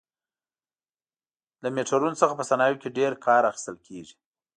له میټرونو څخه په صنایعو کې ډېر کار اخیستل کېږي.